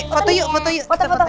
foto yuk foto yuk